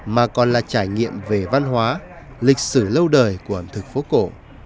mà còn là trải nghiệm về văn hóa lịch sử lâu đời của ẩm thực phố cổ